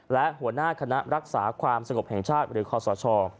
และหัวหน้าคณะรักษาความสงบแห่งชาติหรือคอสช